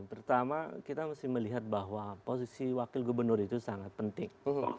pertama kita mesti melihat bahwa posisi wakil gubernur itu sangat penting